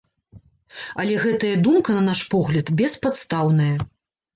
Але гэтая думка, на наш погляд, беспадстаўная.